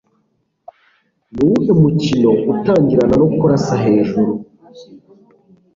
Nuwuhe mukino utangirana no kurasa hejuru